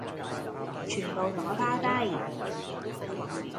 全部同我趴低